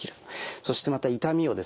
そしてまた痛みをですね